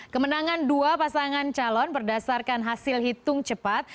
kemenangan dua pasangan calon berdasarkan hasil hitung cepat